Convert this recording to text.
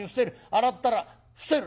洗ったら伏せる。